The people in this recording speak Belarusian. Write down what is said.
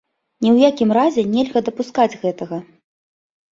Ні ў якім разе нельга дапускаць гэтага.